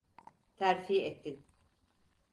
Terfi ettin.